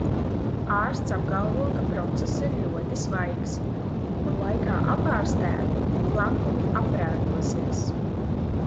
Ārsts apgalvo, ka process ir ļoti svaigs, un, laikā apārstēti, plankumi aprētosies.